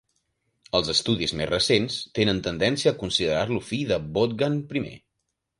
Els estudis més recents tenen tendència a considerar-lo fill de Bogdan I.